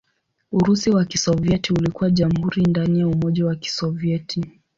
Urusi wa Kisovyeti ulikuwa jamhuri ndani ya Umoja wa Kisovyeti.